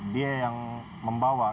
dia yang membawa